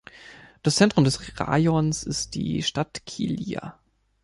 Das Zentrum des Rajons ist die Stadt Kilija.